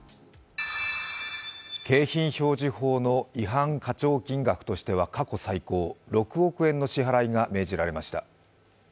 景品表示法の違反課徴金額としては過去最高６億円の支払いが命じられました。